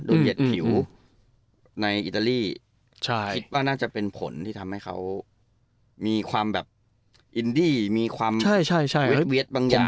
เหยียดผิวในอิตาลีคิดว่าน่าจะเป็นผลที่ทำให้เขามีความแบบอินดี้มีความเวียดบางอย่าง